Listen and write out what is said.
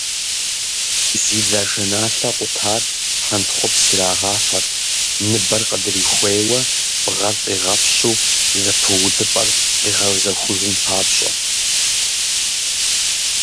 Зи дзажэналъэ къутар хьэнтхъупс ирагъафэрт ныбэр къыдрихуейуэ, бгъэр къигъэпщу зэпыудыпӏэр къигъэзахуэжын папщӏэ.